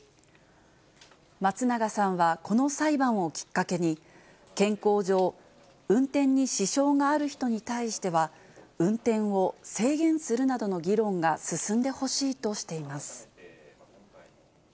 松永さんはこの裁判をきっかけに、健康上、運転に支障がある人に対しては、運転を制限するなどの議論が進んでほしいとしています。